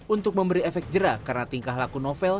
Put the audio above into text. untuk memberi efek jerah karena tingkah laku novel